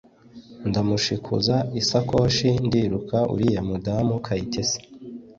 ndamushikuza isakoshi ndiruka uriya mudamu Kayitesi